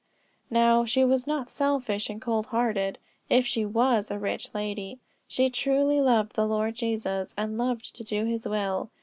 Now, she was not selfish and cold hearted, if she was a rich lady; she truly loved the Lord Jesus, and loved to do his will.